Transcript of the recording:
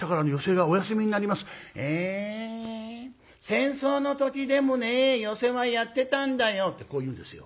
戦争の時でもね寄席はやってたんだよ」ってこう言うんですよ。